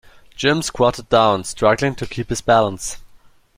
Jim squatted down, struggling to keep his balance.